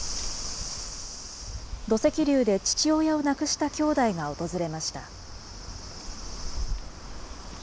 土石流で父親を亡くしたきょうだいが訪れました。